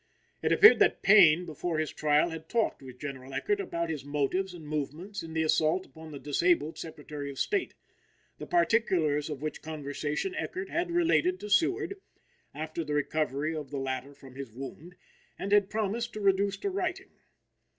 It appeared that Payne before his trial had talked with General Eckert about his motives and movements in the assault upon the disabled Secretary of State, the particulars of which conversation Eckert had related to Seward, after the recovery of the latter from his wound, and had promised to reduce to writing.